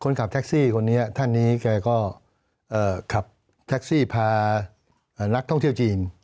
ขับแท็กซี่คนนี้ท่านนี้แกก็ขับแท็กซี่พานักท่องเที่ยวจีน